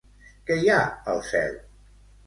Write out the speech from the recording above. Què hi ha al cel?